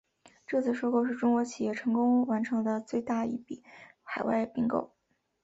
这次收购是中国企业成功完成的最大一笔海外并购。